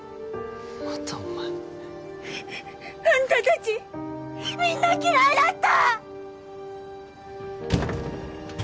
またお前あんた達みんな嫌いだった！